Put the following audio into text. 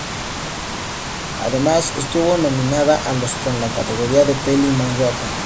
Además estuvo nominada a los con la categoría de Peli más guapa.